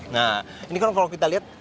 nah ini kan kalau kita lihat